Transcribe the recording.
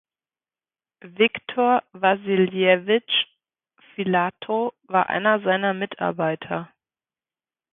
Wiktor Wassiljewitsch Filatow war einer seiner Mitarbeiter.